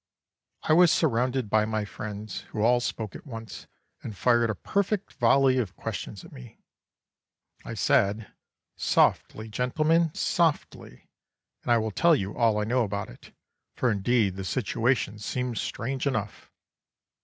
"I was surrounded by my friends, who all spoke at once, and fired a perfect volley of questions at me. I said, 'Softly, gentlemen, softly, and I will tell you all I know about it, for indeed the situation seems strange enough.